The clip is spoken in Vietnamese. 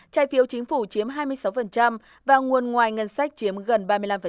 trái phiếu chính phủ chiếm hai mươi sáu và nguồn ngoài ngân sách chiếm gần ba mươi năm